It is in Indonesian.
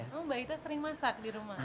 oh mbak gita sering masak di rumah